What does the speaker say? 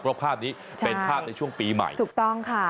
เพราะภาพนี้เป็นภาพในช่วงปีใหม่ถูกต้องค่ะ